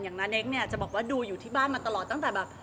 นาเนคเนี่ยจะบอกว่าดูอยู่ที่บ้านมาตลอดตั้งแต่แบบ